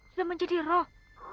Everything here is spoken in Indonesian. sudah menjadi roh